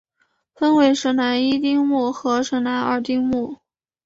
分为神南一丁目与神南二丁目。